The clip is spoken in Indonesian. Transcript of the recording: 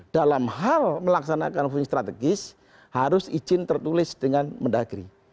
dalam hal melaksanakan fungsi strategis harus izin tertulis dengan mendagri